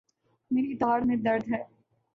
میری داڑھ میں درد ہے